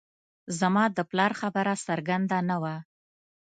زما د پلار خبره څرګنده نه وه